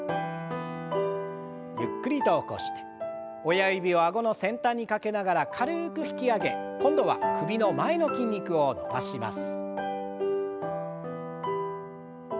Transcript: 親指を顎の先端にかけながら軽く引き上げ今度は首の前の筋肉を伸ばします。